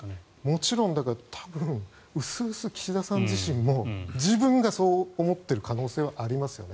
もちろん薄々は岸田さん自身も自分がそう思ってる可能性もありますよね。